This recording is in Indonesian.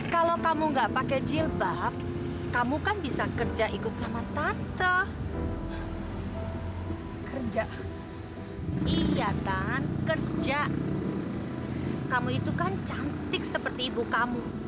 kamu itu kan cantik seperti ibu kamu